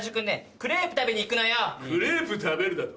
クレープ食べるだと？